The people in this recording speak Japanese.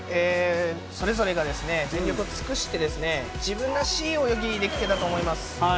それぞれが全力を尽くして、自分らしい泳ぎ、できてたと思います。